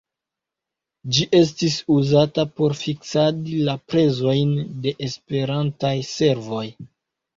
Ĝi estis uzata por fiksadi la prezojn de Esperantaj servoj.